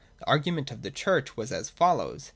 The argument of the Church was as follows.